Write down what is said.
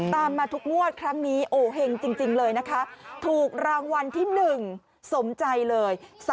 ตามมาทุกงวดครั้งนี้โอ้เห็งจริงเลยนะคะถูกรางวัลที่๑สมใจเลย